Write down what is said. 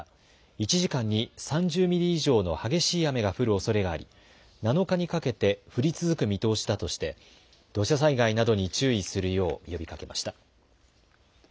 １時間に３０ミリ以上の激しい雨が降るおそれがあり７日にかけて降り続く見通しだとして土砂災害などに注意するよう呼びかけました。